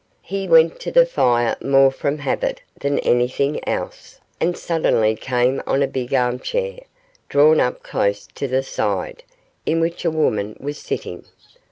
He went to the fire more from habit than anything else, and suddenly came on a big armchair, drawn up close to the side, in which a woman was sitting.